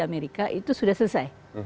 amerika itu sudah selesai